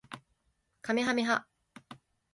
かめはめ波